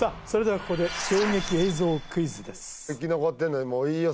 それではここで衝撃映像クイズです